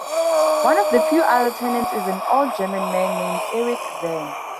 One of the few other tenants is an old German man named Erich Zann.